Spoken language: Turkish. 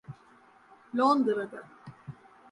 Londra'da.